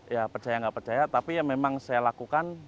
ya percaya nggak percaya tapi ya memang saya lakukan